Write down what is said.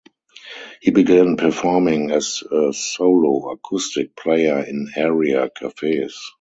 He began performing as a solo acoustic player in area cafes.